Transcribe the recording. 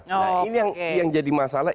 nah ini yang jadi masalah